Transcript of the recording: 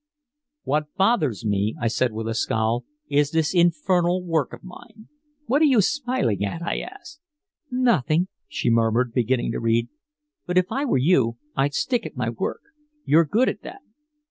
"What bothers me," I said with a scowl, "is this infernal work of mine. What are you smiling at?" I asked. "Nothing," she murmured, beginning to read. "But if I were you I'd stick at my work. You're good at that."